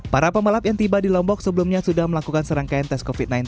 para pembalap yang tiba di lombok sebelumnya sudah melakukan serangkaian tes covid sembilan belas